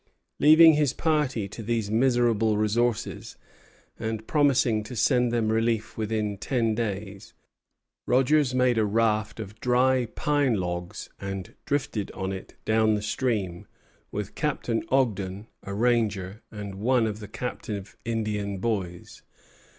Leaving his party to these miserable resources, and promising to send them relief within ten days, Rogers made a raft of dry pine logs, and drifted on it down the stream, with Captain Ogden, a ranger, and one of the captive Indian boys.